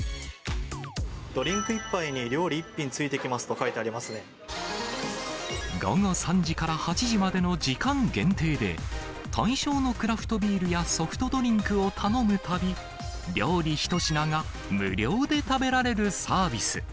ドリンク１杯に料理１品つい午後３時から８時までの時間限定で、対象のクラフトビールやソフトドリンクを頼むたび、料理１品が無料で食べられるサービス。